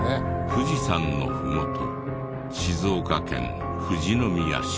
富士山のふもと静岡県富士宮市。